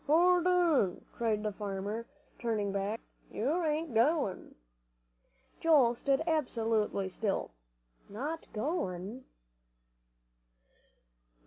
"Hold on!" cried the farmer, turning back, "you ain't goin'." Joel stood absolutely still. "Not going!"